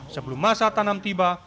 sebelum masa tanam tiba